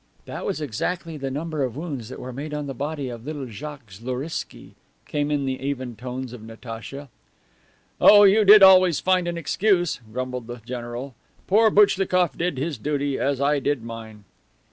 "That was exactly the number of wounds that were made on the body of little Jacques Zloriksky," came in the even tones of Natacha. "Oh, you, you always find an excuse," grumbled the general. "Poor Boichlikoff did his duty, as I did mine.